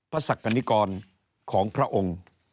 ศักดิกรของพระองค์